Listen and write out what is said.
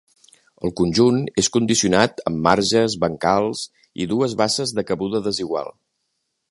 El conjunt és condicionat amb marges, bancals i dues basses de cabuda desigual.